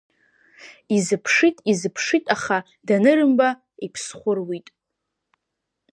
Изыԥшит, изыԥшит, аха данырымба, иԥсхәы руит.